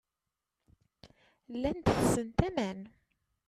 Llant tessent aman.